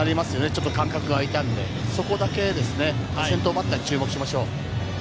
ちょっと間隔が空いたので、そこだけですね、先頭バッターに注目しましょう。